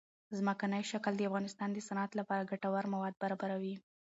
ځمکنی شکل د افغانستان د صنعت لپاره ګټور مواد برابروي.